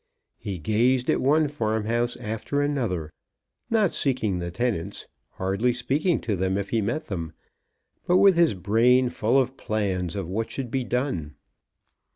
He gazed at one farmhouse after another, not seeking the tenants, hardly speaking to them if he met them, but with his brain full of plans of what should be done.